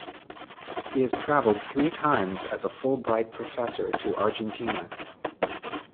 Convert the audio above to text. He has travelled three times as a Fulbright professor to Argentina.